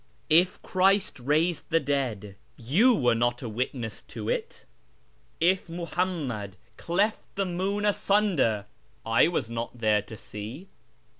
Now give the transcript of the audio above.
If Christ raised the dead, you were not a witness of it ; if Muhammad cleft the moon asunder, I w^as not there to see.